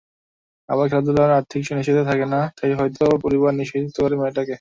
আবার খেলাধুলায় আর্থিক নিশ্চয়তা থাকে না, তাই হয়তো পরিবার নিরুৎসাহিত করে মেয়েটাকে।